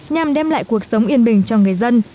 nhằm đem lại cuộc sống yên bình cho người dân